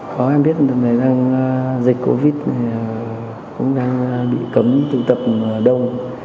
có em biết là dịch covid cũng đang bị cấm tụ tập đông